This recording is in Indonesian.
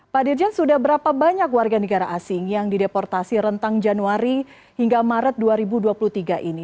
pak dirjen sudah berapa banyak warga negara asing yang dideportasi rentang januari hingga maret dua ribu dua puluh tiga ini